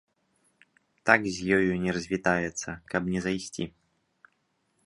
Так з ёю не развітаецца, каб не зайсці.